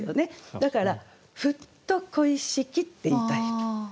だから「ふっと恋しき」って言いたい。